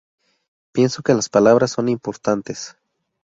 Pienso que las palabras son importantes.